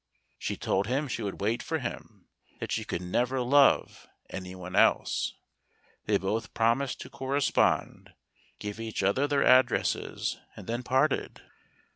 She told him she would wait for him; that she could never love any one else. They both promised to correspond, gave each other their addresses, and then parted.